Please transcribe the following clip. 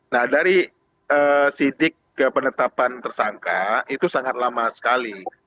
nah dari sidik ke penetapan tersangka itu sangat lama sekali